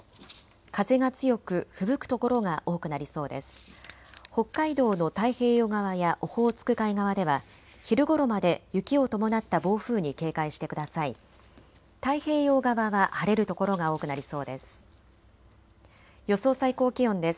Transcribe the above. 風が強くふぶく所が多くなりそうです。